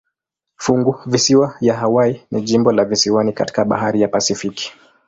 Funguvisiwa ya Hawaii ni jimbo la visiwani katika bahari ya Pasifiki.